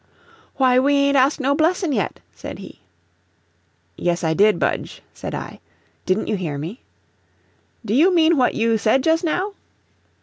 "Why, we ain't asked no blessin' yet," said he. "Yes, I did, Budge," said I. "Didn't you hear me?" "Do you mean what you said just now?"